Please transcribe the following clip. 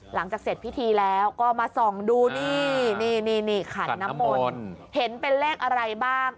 หลังจากเสร็จพิธีแล้วก็มาส่องดูนี่นี่ขันน้ำมนต์เห็นเป็นเลขอะไรบ้าง